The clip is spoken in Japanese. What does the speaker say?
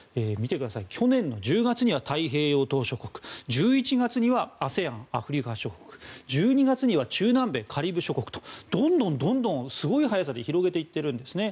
去年１０月には太平洋島しょ国１１月にはＡＳＥＡＮアフリカ諸国１２月には中南米カリブ諸国とどんどん、すごい速さで広げていっているんですね。